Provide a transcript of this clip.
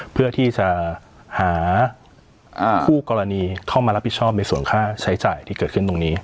เพื่อที่จะหาคู่กรณีเข้ามารับผิดชอบในส่วนค่าใช้จ่ายที่เกิดขึ้นตรงนี้